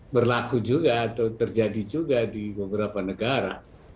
berlaku juga atau terjadi juga di beberapa negara